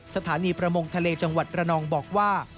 สถานีประมงทะเลจังหวัดระนองบอกว่า